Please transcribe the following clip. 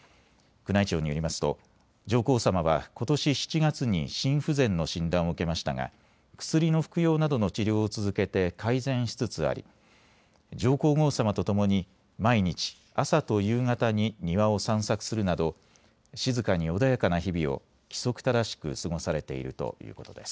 宮内庁によりますと上皇さまはことし７月に心不全の診断を受けましたが薬の服用などの治療を続けて改善しつつあり上皇后さまとともに毎日、朝と夕方に庭を散策するなど静かに穏やかな日々を規則正しく過ごされているということです。